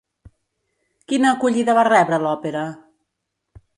Quina acollida va rebre l'òpera?